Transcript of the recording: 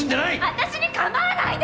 私に構わないで！